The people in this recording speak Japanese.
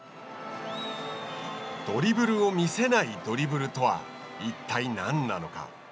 ドリブルを見せないドリブルとは、一体何なのか。